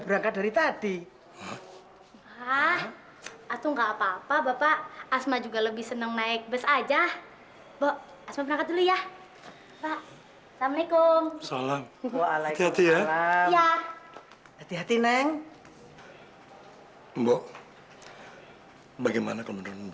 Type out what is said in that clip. bagaimana kalau menurunkan pak